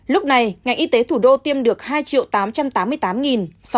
lúc này ngành y tế thủ đô tiêm được hai tám trăm tám mươi tám sáu trăm bốn mươi ba mũi